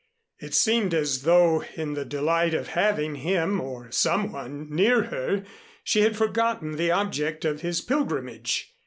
It seemed as though in the delight of having him (or some one) near her, she had forgotten the object of his pilgrimage.